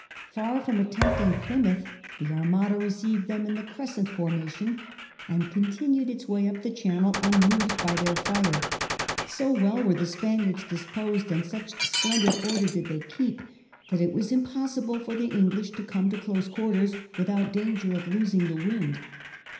Far from attempting Plymouth the Armada received them in the crescent formation, and continued its way up channel unmoved by their fire. So well were the Spaniards disposed, and such splendid order did they keep, that it was impossible for the English to come to close quarters without danger of losing the wind.